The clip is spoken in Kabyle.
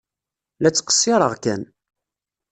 La ttqeṣṣireɣ kan!